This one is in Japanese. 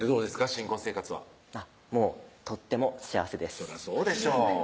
新婚生活はもうとっても幸せですそらそうでしょう